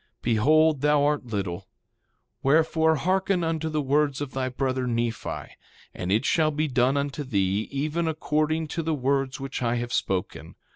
Behold, thou art little; wherefore hearken unto the words of thy brother, Nephi, and it shall be done unto thee even according to the words which I have spoken.